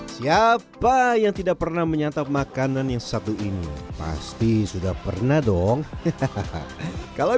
siapa yang tidak pernah menyatap makanan yang satu ini pasti sudah pernah dong hahaha kalau